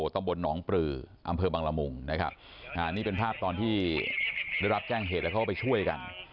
ตำบลหนองปลืออำเภอบังละมุงนะครับนี่เป็นภาพตอนที่ได้รับแจ้งเหตุแล้วเขาก็ไปช่วยกัน